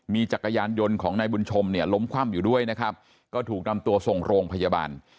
มีจักรยานยนต์ของนายบุญชมเนี่ยล้มคว่ำอยู่ด้วยนะครับก็ถูกนำตัวส่งโรงพยาบาล